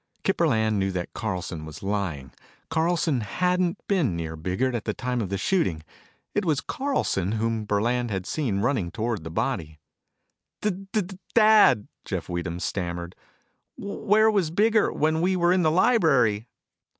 Kip Burland knew that Carlson was lying. Carlson hadn't been near Biggert at the time of the shooting. It was Carlson whom Burland had seen running toward the body. "D d dad," Jeff Weedham stammered, "where was Biggert when we were in the library?"